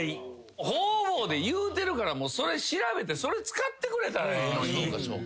方々で言うてるからもうそれ調べてそれ使ってくれたらええのに。